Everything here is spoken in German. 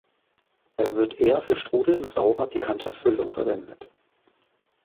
Er wird eher für Strudel mit saurer-pikanter Füllung verwendet.